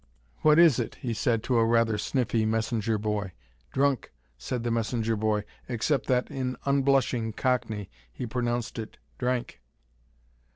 "What is it?" he said, to a rather sniffy messenger boy. "Drunk," said the messenger boy: except that, in unblushing cockney, he pronounced it "Drank."